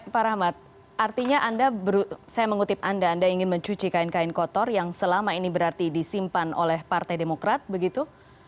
pak rahmat artinya saya mengutip anda anda ingin mencuci kain kain kotor yang selama ini berarti disimpan oleh partai demokrat begitu